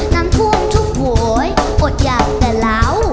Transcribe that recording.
น้ำท่วมทุกโหยอดใหญ่แต่เหล้า